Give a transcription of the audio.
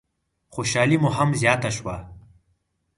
خوشحالي مو هم زیاته شوه.